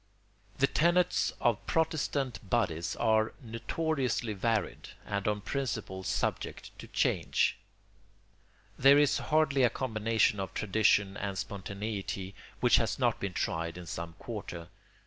] The tenets of Protestant bodies are notoriously varied and on principle subject to change. There is hardly a combination of tradition and spontaneity which has not been tried in some quarter.